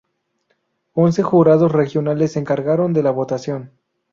Once jurados regionales se encargaron de la votación.